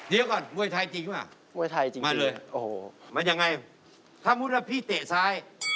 เดี๋ยวก่อนมวยไทยจริงหรือเปล่า